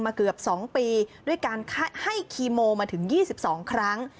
เกือบ๒ปีด้วยการให้คีโมมาถึง๒๒ครั้ง